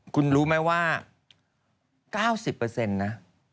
คุณรู้ไหมว่า๙๐นะ